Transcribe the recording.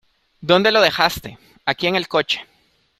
¿ Dónde lo dejaste? Aquí, en el coche.